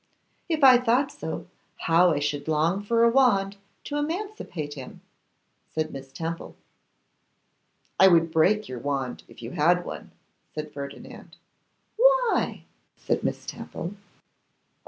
'If I thought so, how I should long for a wand to emancipate him!' said Miss Temple. 'I would break your wand, if you had one,' said Ferdinand. 'Why?' said Miss Temple. 'Oh!